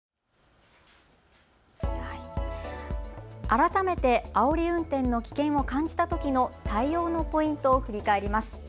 改めて、あおり運転の危険を感じたときの対応のポイントを振り返ります。